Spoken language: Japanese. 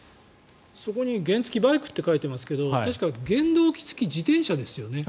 そこに原付きバイクって書いてありますが確か、原動機付自転車ですよね。